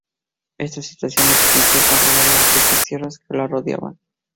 Esa situación le permitía controlar las ricas tierras que la rodeaban.